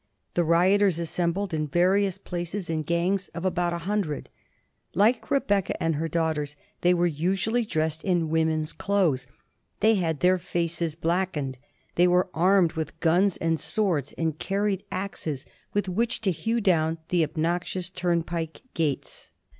The rioters assembled in various places in gangs of about a hundred. Like ^' Rebecca and her daughters," they were usually dressed in women's clothes ; they had their faces blackened; they were armed with guns and swords, and carried axes, with which to hew down the obnoxious turnpike gates.